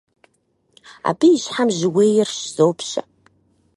Абы и щхьэм жьыуейр щызопщэ.